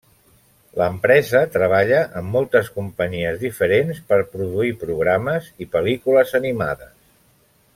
L'empresa treballa amb moltes companyies diferents per produir programes i pel·lícules animades.